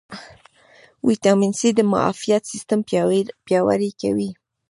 ویټامین سي د معافیت سیستم پیاوړی کوي